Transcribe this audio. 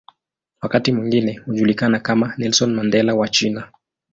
Wakati mwingine hujulikana kama "Nelson Mandela wa China".